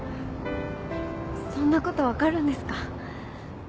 そんなこと分かるんですか？